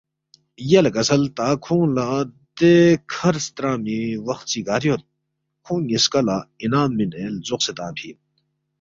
یلے کسل تا کھونگ لہ دے کَھر سترانگمی وخ چی گار یود؟ کھونگ نِ٘یسکا لہ اِنعام مِنے لزوقسے تنگفی اِن